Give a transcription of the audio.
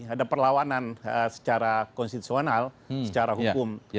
ada perlawanan secara konstitusional secara hukum